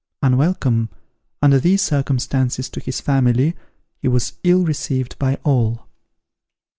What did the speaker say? Unwelcome, under these circumstances, to his family, he was ill received by all.